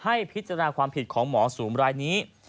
ให้พิจารณาความผิดของหมอสูงรายนี้